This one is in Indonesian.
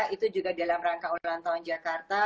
itu juga dalam rangka ulang tahun jakarta